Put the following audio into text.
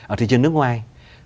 ở thị trường nước ngoài